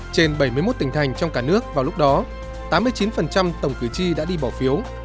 trên bảy mươi một tỉnh thành trong cả nước vào lúc đó tám mươi chín tổng cử tri đã đi bỏ phiếu